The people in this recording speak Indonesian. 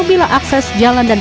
bila akses jalan dan